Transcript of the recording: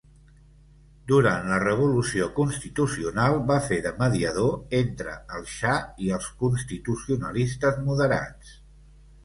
Durant la revolució constitucional va fer de mediador entre el xa i els constitucionalistes moderats.